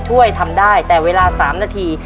ช่วยทำได้แต่เวลา๓นาที